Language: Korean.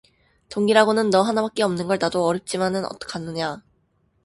동기라고는 너 하나밖에 없는 걸 나도 어렵지만 어떡하느냐.